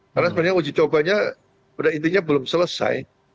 karena sebenarnya uji cobanya pada intinya belum selesai